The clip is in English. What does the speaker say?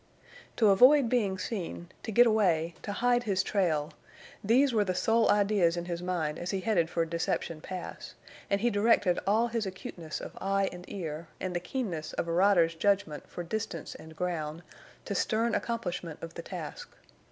To avoid being seen, to get away, to hide his trail—these were the sole ideas in his mind as he headed for Deception Pass, and he directed all his acuteness of eye and ear, and the keenness of a rider's judgment for distance and ground, to stern accomplishment of the task.